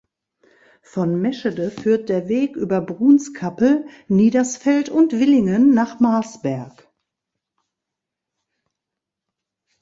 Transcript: Von Meschede führt der Weg über Brunskappel, Niedersfeld und Willingen nach Marsberg.